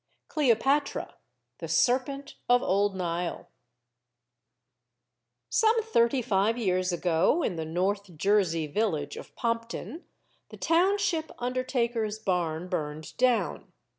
CLEOPATRA | THE SERPENT OF OLD NILE" SOME thirty five years ago, in the north Jersey village of Pompton, the township undertaker's barn burned down.